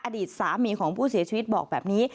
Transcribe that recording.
อดีตสามีของผู้เสียชีวิตบอกแบบนี้